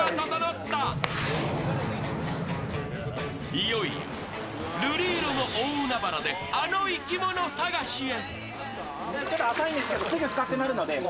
いよいよ瑠璃色の大海原であの生き物探しへ！